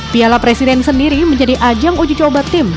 piala presiden sendiri menjadi ajang uji coba tim